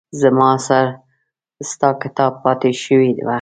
زما سره ستا کتاب پاتې شوي وه